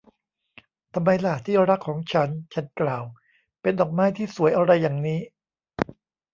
ทำไมล่ะ ที่รักของฉัน ฉันกล่าว เป็นดอกไม้ที่สวยอะไรอย่างนี้